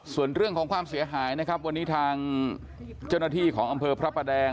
ส่วนเรื่องของความเสียหายนะครับวันนี้ทางเจ้าหน้าที่ของอำเภอพระประแดง